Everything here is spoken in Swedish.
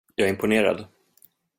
Jag är imponerad.